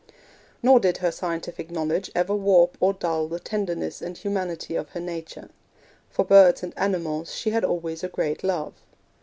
Nor did her scientific knowledge ever warp or dull the tenderness and humanity of her nature. For birds and animals she had always a great love.